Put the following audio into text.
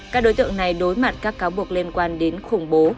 các đối tượng này đối mặt các cáo buộc liên quan đến khủng bố